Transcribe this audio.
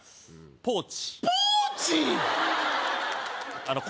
ポーチ？